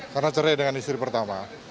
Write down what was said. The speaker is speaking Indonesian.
karena cerai dengan istri pertama